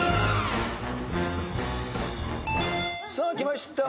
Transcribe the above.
さあきました。